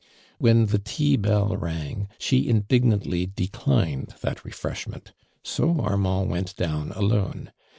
When the tea bell rang she indignantly de clined that refreshment, so Annand went down alone.